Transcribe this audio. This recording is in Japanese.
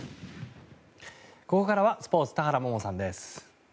ここからはスポーツ田原萌々さんです。